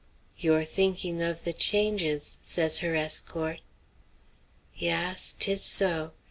"You're thinking of the changes," says her escort. "Yass; 'tis so.